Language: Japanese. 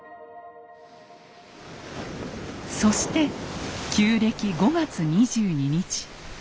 そして旧暦５月２２日。